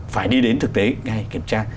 phải đi đến thực tế ngay kiểm tra